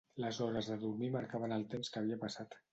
Les hores de dormir marcaven el temps que havia passat